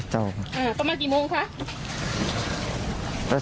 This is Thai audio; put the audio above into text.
ประมาณกี่โมงคะ